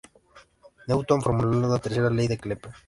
Newton reformuló la tercera ley de Kepler.